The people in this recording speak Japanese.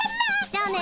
じゃあね。